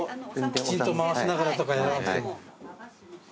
きちんと回しながらとかやらなくても。